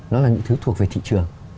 nó là những thứ thuộc về thị trường